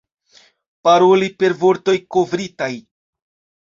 Paroli per vortoj kovritaj.